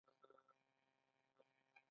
آیا دا قانون لیکل شوی نه دی خو په زړونو کې دی؟